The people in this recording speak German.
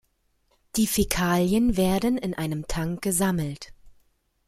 Die Fäkalien werden in einem Tank gesammelt.